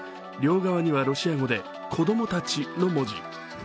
両側にはロシア語で「子供たち」の文字。